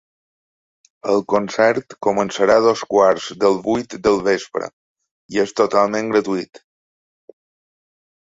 El concert començarà a dos quarts del vuit del vespre i és totalment gratuït.